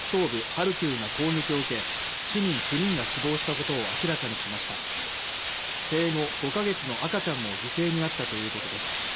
ハルキウが攻撃を受け市民９人が死亡したことを明らかにしました生後５か月の赤ちゃんも犠牲になったということです